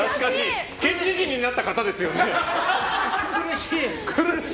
県知事になった方ですよね？